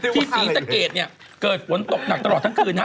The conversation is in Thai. ศรีสะเกดเนี่ยเกิดฝนตกหนักตลอดทั้งคืนฮะ